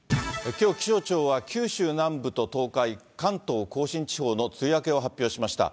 きょう、気象庁は、九州南部と東海、関東甲信地方の梅雨明けを発表しました。